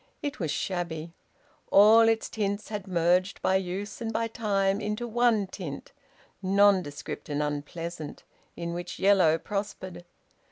It was shabby. All its tints had merged by use and by time into one tint, nondescript and unpleasant, in which yellow prospered.